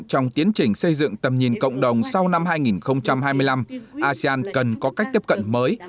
trong tiến trình xây dựng tầm nhìn cộng đồng sau năm hai nghìn hai mươi năm asean cần có cách tiếp cận mới